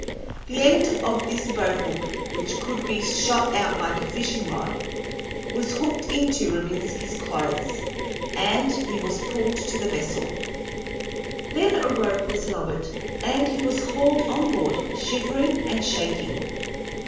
The end of this boat hook, which could be shot out like a fishing rod, was hooked into Rovinski's clothes, and he was pulled to the vessel. Then a rope was lowered, and he was hauled on board, shivering and shaking.